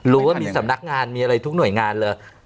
รู้ว่ามีสำนักงานมีอะไรทุกหน่วยงานเลย